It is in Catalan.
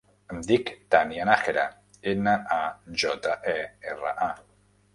Em dic Tània Najera: ena, a, jota, e, erra, a.